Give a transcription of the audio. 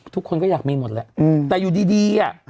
ทุกคนก็อยากมีหมดแหละแต่อยู่ดีอ่ะ